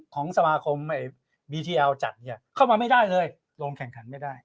ของสามาร์คมบีทีเอลจันทร์เขามาไม่ได้เลยโรงแข่งขันไม่ได้